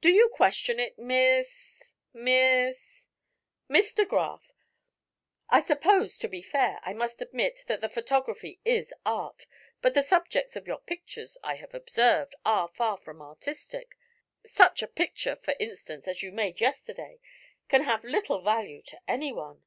"Do you question it, Miss Miss " "Miss de Graf. I suppose, to be fair, I must admit that the photography is art; but the subjects of your pictures, I have observed, are far from artistic. Such a picture, for instance, as you made yesterday can have little value to anyone."